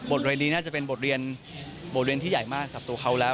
บทเรียนดีจะเป็นบทเรียนที่ใหญ่มากตัวเขาแล้ว